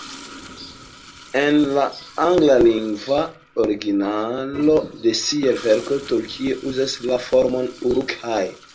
En la anglalingva originalo de sia verko Tolkien uzas la formon "uruk-hai".